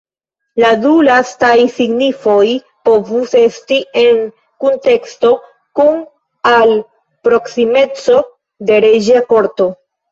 La du lastaj signifoj povus esti en kunteksto kun al proksimeco de reĝa korto.